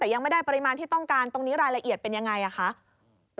แต่ยังไม่ได้ปริมาณที่ต้องการตรงนี้รายละเอียดเป็นยังไงคะ